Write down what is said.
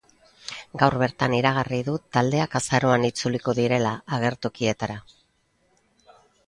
Gaur bertan iragarri du taldeak azaroan itzuliko direla agertokietara.